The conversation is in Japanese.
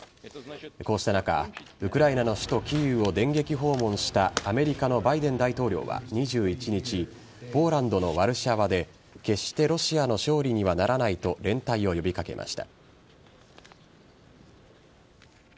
こうした中ウクライナの首都・キーウを電撃訪問したアメリカのバイデン大統領は２１日ポーランドのワルシャワで決してロシアの勝利にはならないと連帯を呼びかけました。